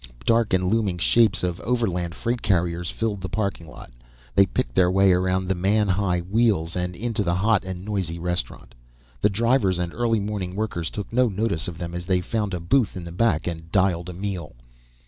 Dark and looming shapes of overland freight carriers filled the parking lot. They picked their way around the man high wheels and into the hot and noisy restaurant. The drivers and early morning workers took no notice of them as they found a booth in the back and dialed a meal.